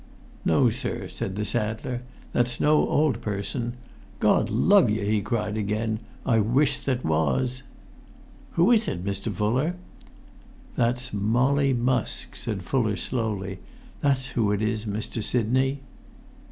"No, sir," said the saddler; "that's no old person. Gord love yer," he cried again, "I wish that was!" "Who is it, Mr. Fuller?" "That's Molly Musk," said Fuller, slowly; "that's who that is, Mr. Sidney."